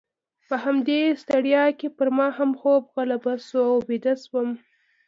په همدې ستړیا کې پر ما هم خوب غالبه شو او بیده شوم.